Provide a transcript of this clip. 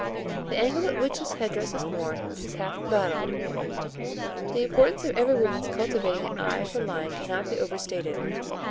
The angle at which this head dress is worn is half the battle. The importance of every woman's cultivating an eye for line cannot be overstated.